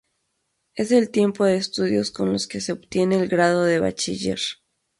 Es el tiempo de estudios con los que se obtiene el grado de bachiller.